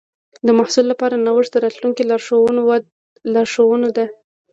د محصل لپاره نوښت د راتلونکي لارښوونه ده.